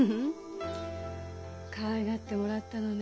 かわいがってもらったのね。